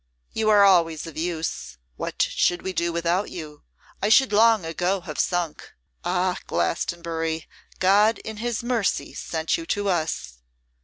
'You are always of use. What should we do without you? I should long ago have sunk. Ah! Glastonbury, God in his mercy sent you to us.